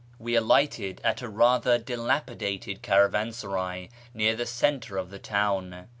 We alighted at a rather dilapidated caravansaray near the centre of the town.